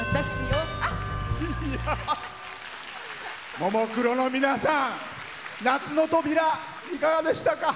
ももクロの皆さん「夏の扉」、いかがでしたか？